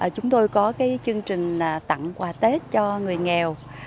chúng tôi có chương trình tặng quà tết cho người nghèo